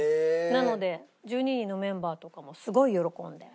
なので１２人のメンバーとかもすごい喜んで。